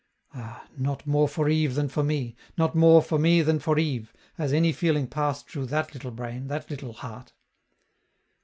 Ah! not more for Yves than for me, not more for me than for Yves, has any feeling passed through that little brain, that little heart.